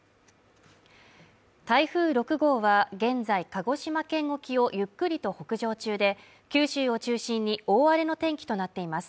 台風６号は現在、鹿児島県沖をゆっくりと北上中で九州を中心に大荒れの天気となっています